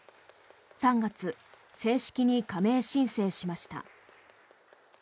３月、正式に加盟申請しました。